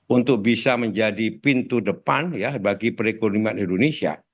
untuk bisa menjadi pintu depan ya bagi perekonomian indonesia